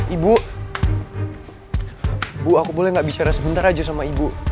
ibu aku boleh gak bicara sebentar aja sama ibu